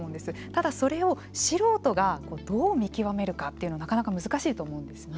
ただ、それを素人がどう見極めるかというのがなかなか難しいと思うんですね。